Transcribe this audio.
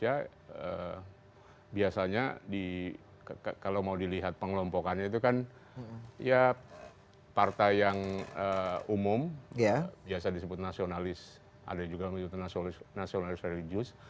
ada juga yang disebut nasionalis religius